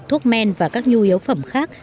thuốc men và các nhu yếu phẩm khác